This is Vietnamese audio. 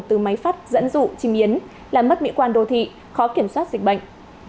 từ máy phát dẫn dụ chim yến làm mất mỹ quan đô thị khó kiểm soát dịch bệnh